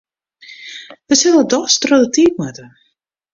Wy sille dochs troch de tiid moatte.